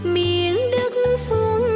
miếng đất phong